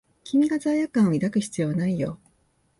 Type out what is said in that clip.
君が罪悪感を抱く必要はないよ。